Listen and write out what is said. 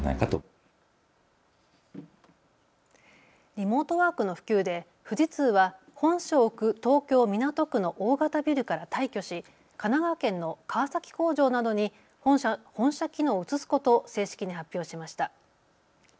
リモートワークの普及で富士通は本社を置く東京港区の大型ビルから退去し神奈川県の川崎工場などに本社機能を移すことを正式に発表しました。